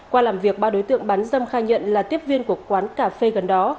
qua làm việc ba đối tượng bán dâm khai nhận là tiếp viên của quán cà phê gần đó